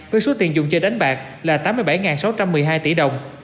với số tiền dùng chơi đánh bạc là tám mươi bảy sáu trăm một mươi hai tỷ đồng